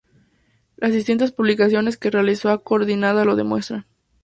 Las distintas publicaciones que realiza o coordina lo demuestran.